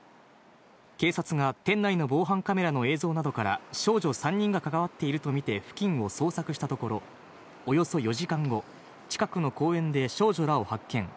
警察が店内の防犯カメラの映像などから、少女３人が関わっていると見て、付近を捜索したところ、およそ４時間後、近くの公園で少女らを発見。